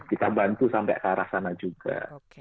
kita bantu sampai ke arah sana juga